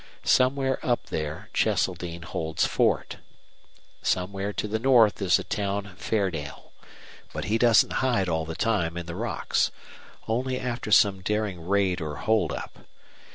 Somewhere up there Cheseldine holds fort. Somewhere to the north is the town Fairdale. But he doesn't hide all the time in the rocks. Only after some daring raid or hold up.